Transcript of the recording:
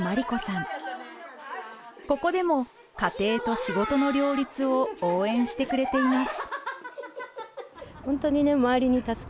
ここでも家庭と仕事の両立を応援してくれています。